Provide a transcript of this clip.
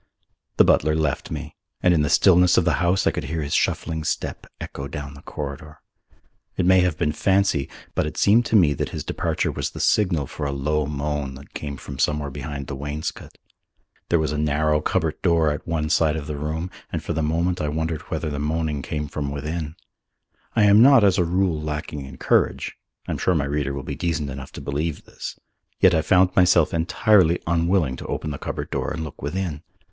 The butler left me, and in the stillness of the house I could hear his shuffling step echo down the corridor. It may have been fancy, but it seemed to me that his departure was the signal for a low moan that came from somewhere behind the wainscot. There was a narrow cupboard door at one side of the room, and for the moment I wondered whether the moaning came from within. I am not as a rule lacking in courage (I am sure my reader will be decent enough to believe this), yet I found myself entirely unwilling to open the cupboard door and look within.